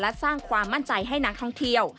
และสร้างความมั่นใจให้นักท่องเที่ยว